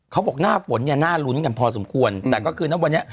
เขาบอกหน้าฝนเนี่ยน่าลุ้นกันพอสมควรแต่ก็คือณวันนี้